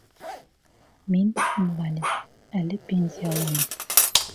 — Мин — инвалид, әле пенсияламын.